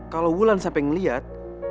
kalau mulan sampai ngelihat